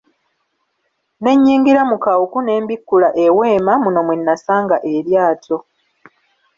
Ne nnyingira mu kawuku ne mbikkula eweema muno mwe nasanga eryato.